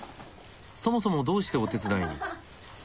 そもそもどうしてお手伝いに？